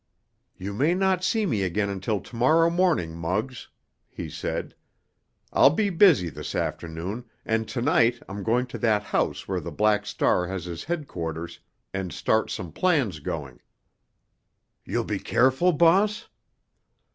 "You may not see me again until to morrow morning, Muggs," he said. "I'll be busy this afternoon, and to night I'm going to that house where the Black Star has his headquarters and start some plans going." "You'll be careful, boss?"